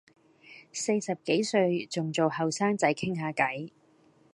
四十幾歲仲做後生仔傾吓偈